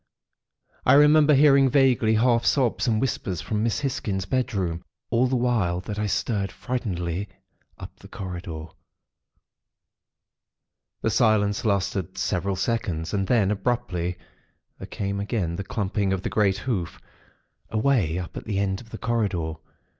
I remember hearing vaguely, half sobs and whispers from Miss Hisgins' bedroom, all the while that I stared, frightenedly, up the corridor. "The silence lasted several seconds; and then, abruptly, there came again the clumping of the great hoof, away up at the end of the corridor.